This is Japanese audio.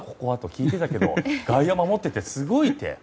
聞いてたけど外野守っててすごいって。